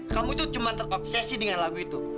kamu itu cuma terobsesi dengan lagu itu